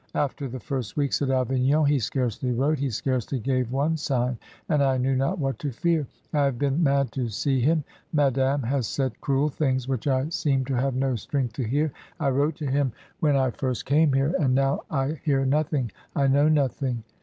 After the first weeks at Avignon he scarcely wrote; he scarcely gave one sign, and I knew not what to fear. I have been mad to see him. Madame has said cruel things which I seem to have no strength to hear. I wrote to him when THREE MILES ALONG THE ROAD. I 77 I first came here. And now I hear nothing, I know nothing."